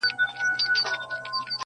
• خو ژوند حتمي ستا له وجوده ملغلري غواړي.